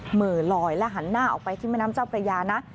เหมือลอยและหันหน้าออกไปที่แม่น้ำเจ้าพระยานะ